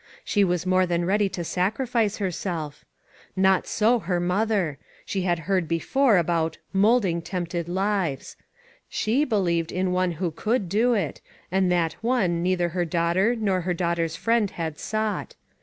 She was more than ready to sacri fice herself. Not so her mother; she had A TOUCH OF THE WORLD. 397 heard before about "molding tempted lives." She believed in One who could do it, and that One neither her daughter, nor her daughter's friend had sought.